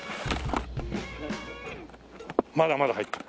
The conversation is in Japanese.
まだまだ入ってる。